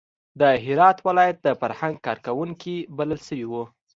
د هرات ولایت د فرهنګ کار کوونکي بلل شوي وو.